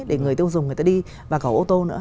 để người tiêu dùng người ta đi và khẩu ô tô nữa